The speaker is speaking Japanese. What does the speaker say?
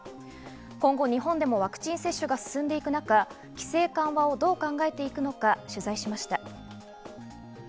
今後、日本でもワクチン接種が進んでいく中、規制緩和をどう考えていくのか取材しました。